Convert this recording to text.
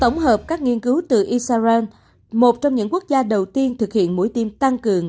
tổng hợp các nghiên cứu từ israel một trong những quốc gia đầu tiên thực hiện mũi tiêm tăng cường